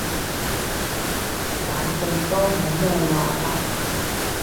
反正都冇乜話題